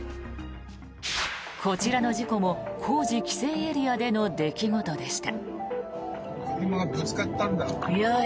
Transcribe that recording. こちらの事故も工事規制エリアでの出来事でした。